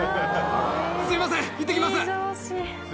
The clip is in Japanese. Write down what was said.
すみません、行ってきます。